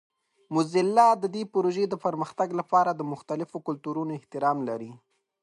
موزیلا د دې پروژې د پرمختګ لپاره د مختلفو کلتورونو احترام لري.